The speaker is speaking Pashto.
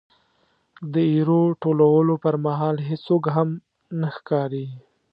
د ایرو ټولولو پرمهال هېڅوک هم نه ښکاري.